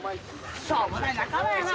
しょうもない仲間やな。